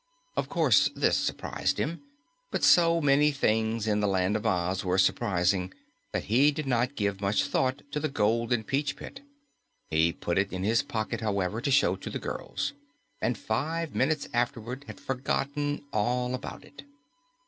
Of course, this surprised him, but so many things in the Land of Oz were surprising that he did not give much thought to the golden peach pit. He put it in his pocket, however, to show to the girls, and five minutes afterward had forgotten all about it.